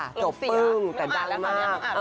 จบปึ้งแต่ดังมาก